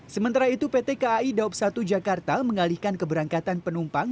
sementara itu pt kai daup satu jakarta mengalihkan keberangkatan penumpang